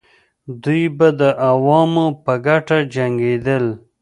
دوی به د عوامو په ګټه جنګېدل.